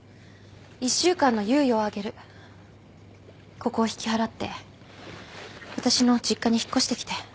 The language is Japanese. ここを引き払って私の実家に引っ越してきて。